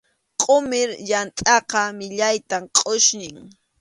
Qʼumir yamtʼaqa millaytam qʼusñin.